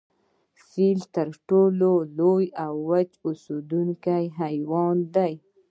فیل تر ټولو لوی وچ اوسیدونکی حیوان دی